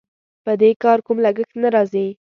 په دې کار کوم لګښت نه راځي.